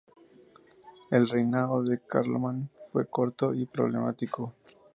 El reinado de Carlomán fue corto y problemático.